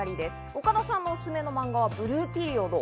岡田さんのおすすめマンガは『ブルーピリオド』。